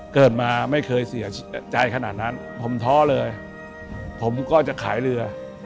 เกิดมาไม่เคยเสียใจขนาดนั้นผมท้อเลยผมก็จะขายเรือ